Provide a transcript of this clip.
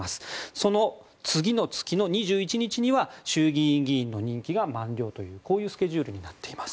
その次の月の２１日には衆議院議員の任期が満了というスケジュールになっています。